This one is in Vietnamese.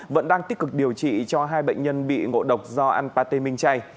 vẫn đang tích cực điều trị cho hai bệnh nhân bị ngộ độc do ăn pate minh chay